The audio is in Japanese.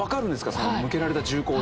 その向けられた銃口で。